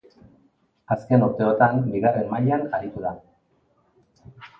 Azken urteotan bigarren mailan aritu da.